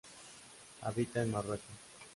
Habita en Marruecos.